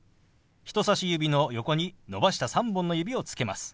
人さし指の横に伸ばした３本の指をつけます。